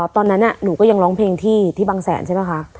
ตอนนั้นหนูก็ยังร้องเพลงที่บางแสนใช่ป่ะคะ